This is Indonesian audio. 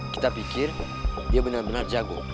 kita pikir dia benar benar jago